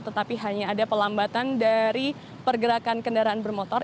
tetapi hanya ada pelambatan dari pergerakan kendaraan bermotor